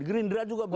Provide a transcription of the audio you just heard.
green dran juga begitu